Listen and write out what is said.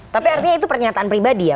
tapi artinya itu pernyataan pribadi ya